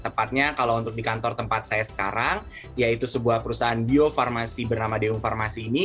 tepatnya kalau untuk di kantor tempat saya sekarang yaitu sebuah perusahaan bio farmasi bernama deung farmasi ini